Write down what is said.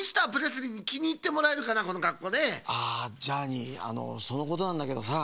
ああジャーニーあのそのことなんだけどさ。